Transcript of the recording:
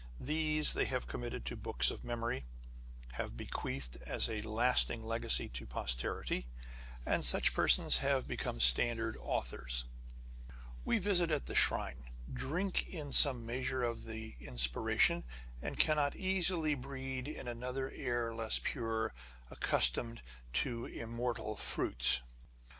These they have committed to books of memory, have bequeathed as a lasting legacy to posterity; and such persons have become standard authors. We visit at the shrine, drink in some measure of the inspiration, and cannot easily " breathe in other air less pure, accustomed to immortal fruits."